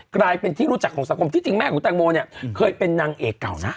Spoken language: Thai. กลายเป็นที่รู้จักของสังคมที่จริงแม่ของแตงโมเนี่ยเคยเป็นนางเอกเก่านะ